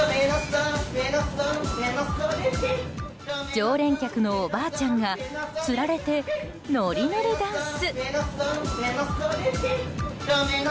常連客のおばあちゃんがつられて、ノリノリダンス。